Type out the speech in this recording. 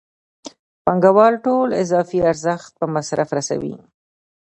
پانګوال ټول اضافي ارزښت په مصرف رسوي